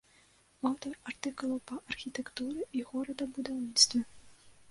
Аўтар артыкулаў па архітэктуры і горадабудаўніцтве.